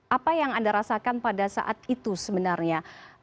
apa yang anda rasakan pada saat itu sebenarnya